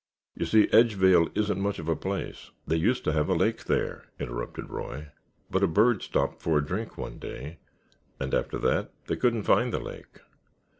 You see, Edgevale isn't much of a place." "They used to have a lake there," interrupted Roy, "but a bird stopped for a drink one day and after that they couldn't find the lake.